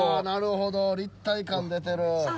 なるほど立体感出てる。